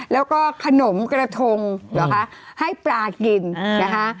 แล้วก็ขนมกระทงเหรอคะให้ปลากินนะคะ